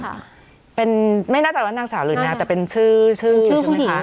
ใช่ค่ะเป็นไม่น่าจากว่านางสาวหรือนางแต่เป็นชื่อชื่อผู้หญิง